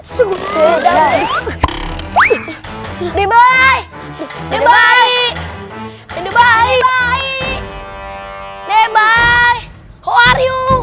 juga udah lebih baik lebih baik lebih baik lebih baik how are you